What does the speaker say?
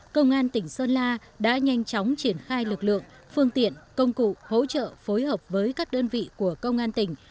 công an tỉnh sơn la đã nhanh chóng triển khai lực lượng phương tiện công cụ hỗ trợ phối hợp với các đơn vị của công an tỉnh